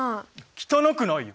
汚くないよ！